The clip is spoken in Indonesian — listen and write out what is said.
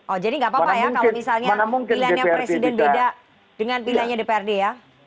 oh jadi nggak apa apa ya kalau misalnya pilihannya presiden beda dengan pilihannya dprd ya